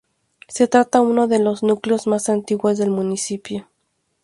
Se trata de uno de los núcleos más antiguos del municipio.